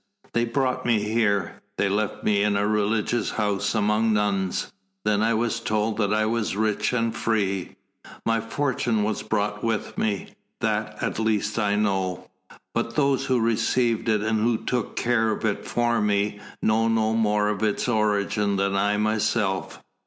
They brought me here, they left me in a religious house among nuns. Then I was told that I was rich and free. My fortune was brought with me. That, at least, I know. But those who received it and who take care of it for me, know no more of its origin than I myself.